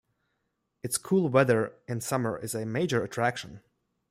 Its cool weather in summer is its major attraction.